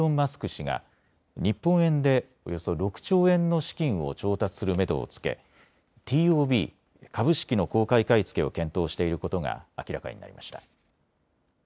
氏が日本円でおよそ６兆円の資金を調達するめどをつけＴＯＢ・株式の公開買い付けを検討していることが明らかになりました。